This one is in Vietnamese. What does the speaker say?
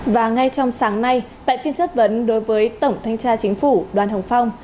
và ngay trong sáng nay tại phiên chất vấn đối với tổng thanh tra chính phủ đoàn hồng phong